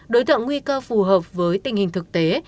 đối tượng nguy cơ phù hợp với tình hình thực tế